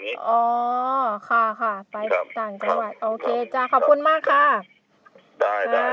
อ๋อค่ะค่ะไปต่างจังหวัดโอเคจ้ะขอบคุณมากค่ะได้ค่ะ